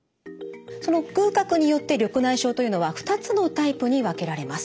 その隅角によって緑内障というのは２つのタイプに分けられます。